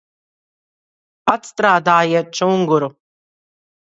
Atstrādājiet čunguru!